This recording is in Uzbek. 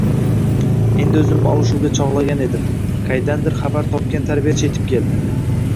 Endi oʻzimni olishuvga chogʻlagan edim, qaydandir xabar topgan tarbiyachi yetib keldi.